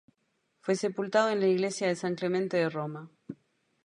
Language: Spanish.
Fue sepultado en la iglesia de San Clemente de Roma.